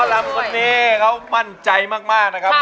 ธรรมพอร์ทำมั่นใจมากนะครับ